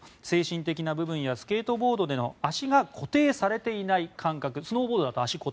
精神的な部分やスケートボードでの足が固定されていない感覚。